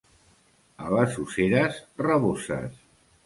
A les Useres, raboses.